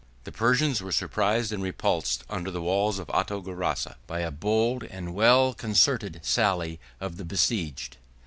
13412 The Persians were surprised and repulsed under the walls of Artogerassa, by a bold and well concerted sally of the besieged.